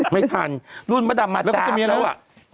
ไม่ทันรุ่นมะดำมาจาบแล้ว